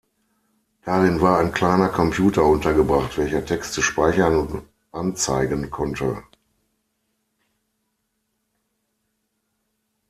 Darin war ein kleiner Computer untergebracht, welcher Texte speichern und anzeigen konnte.